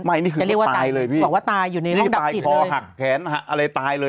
หมายถึงคือตายเลยพี่บอกว่าตายอยู่ในห้องดับจิตเลยตายคอหักแขนอะไรตายเลย